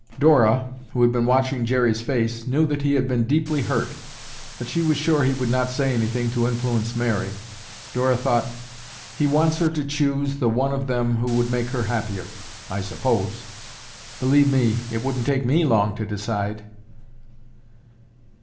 Dora, who had been watching Jerry's face, knew that he had been deeply hurt, but she was sure he would not say anything to influence Mary. Dora thought, "He wants her to choose the one of them who would make her happier, I suppose. Believe me, it wouldn't take me long to decide."